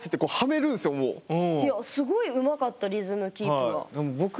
いやすごいうまかったリズムキープが。